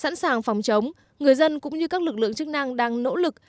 người dân cũng như các lực lượng chức năng đang nỗ lực